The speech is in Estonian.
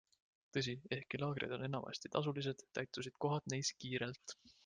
Tõsi, ehkki laagrid on enamasti tasulised, täitusid kohad neis kiirelt.